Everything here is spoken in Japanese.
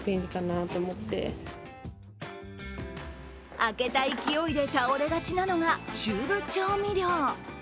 開けた勢いで倒れがちなのがチューブ調味料。